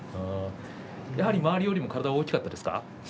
周りよりも大きかったですか？